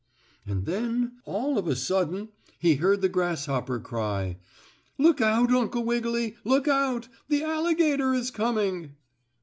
And then, all of a sudden he heard the grasshopper cry: "Look out, Uncle Wiggily! Look out! The alligator is coming!"